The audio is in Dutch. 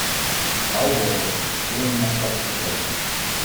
Vrouwen behoren tot verschillende maatschappelijke klassen.